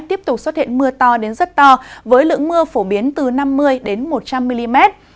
tiếp tục xuất hiện mưa to đến rất to với lượng mưa phổ biến từ năm mươi một trăm linh mm